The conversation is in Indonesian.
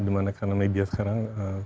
dimana karena media sekarang